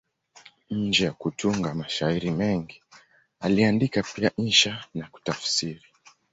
Nje ya kutunga mashairi mengi, aliandika pia insha na kutafsiri.